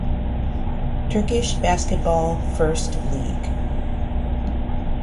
Turkish Basketball First League